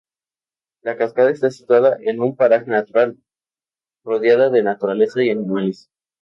La cascada está situada en un paraje natural, rodeada de naturaleza y animales.